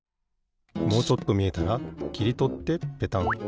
もうちょっとみえたらきりとってペタン。